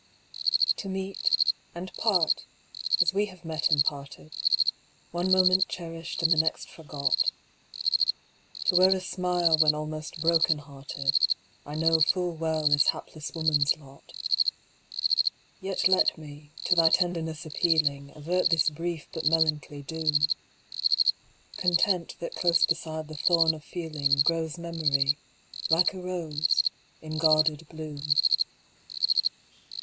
To meet, and part, as we have met and parted, One moment cherished and the next forgot, To wear a smile when almost broken hearted, I know full well is hapless woman's lot; Yet let me, to thy tenderness appealing, Avert this brief but melancholy doom Content that close beside the thorn of feeling, Grows memory, like a rose, in guarded bloom.